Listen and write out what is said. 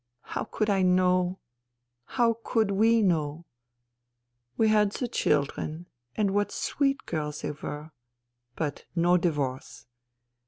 How could I know ? How could we know ?" We had the children — and what sweet girls they were — but no divorce.